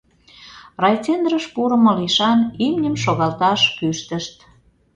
Райцентрыш пурымо лишан имньым шогалташ кӱштышт.